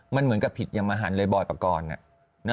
มันเหมือนกับผิดอย่างมหันเลยบอยปกรณ์